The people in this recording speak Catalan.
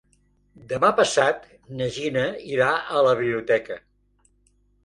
Demà passat na Gina irà a la biblioteca.